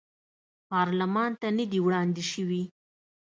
پارلمان ته نه دي وړاندې شوي.